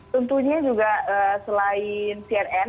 tentunya juga selain cnn